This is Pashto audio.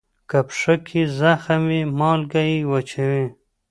که پښه کې زخم وي، مالګه یې وچوي.